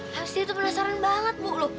habis itu penasaran banget bu